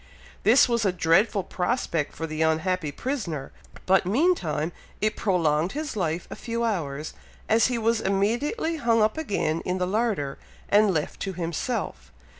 This was a dreadful prospect for the unhappy prisoner; but meantime it prolonged his life a few hours, as he was immediately hung up again in the larder, and left to himself.